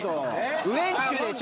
ウエンチュでしょ。